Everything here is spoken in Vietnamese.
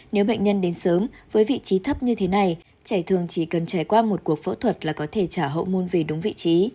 nếu bệnh nhân đến sớm với vị trí thấp như thế này trẻ thường chỉ cần trải qua một cuộc phẫu thuật là có thể trả hậu môn về đúng vị trí